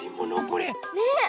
これ。ねえ。